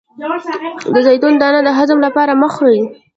د زیتون دانه د هضم لپاره مه خورئ